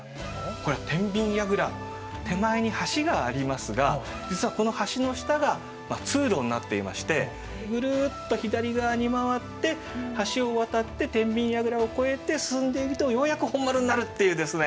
これは天秤櫓手前に橋がありますが実はこの橋の下が通路になっていましてグルっと左側に回って橋を渡って天秤櫓を越えて進んでいくとようやく本丸になるっていうですね。